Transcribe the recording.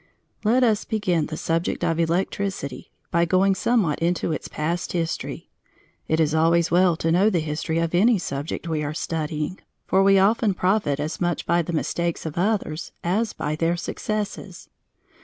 Let us begin the subject of electricity by going somewhat into its past history. It is always well to know the history of any subject we are studying, for we often profit as much by the mistakes of others as by their successes.